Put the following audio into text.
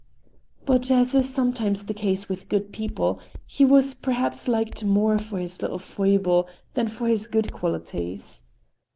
But, as is sometimes the case with good people, he was perhaps liked more for this little foible than for his good qualities.